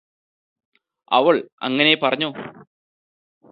അവള് അങ്ങനെ പറഞ്ഞോ